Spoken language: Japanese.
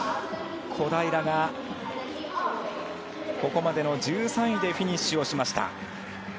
小平が、ここまでの１３位でフィニッシュをしました。